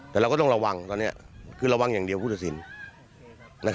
แต่เราก็ต้องระวังตอนนี้คือระวังอย่างเดียวผู้ตัดสิน